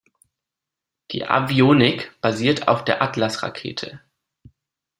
Die Avionik basierte auf der Atlas-Rakete.